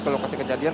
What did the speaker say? ke lokasi kejadian